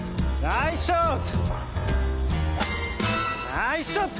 ナイスショット！